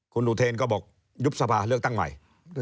คุณอุเทนก็บอกยุบสภาเลือกตั้งใหม่